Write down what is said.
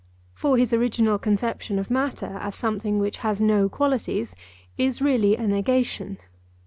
For his original conception of matter as something which has no qualities is really a negation.